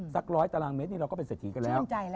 สักร้อยตารางเมตรนี่เราก็เป็นเศรษฐีกันแล้ว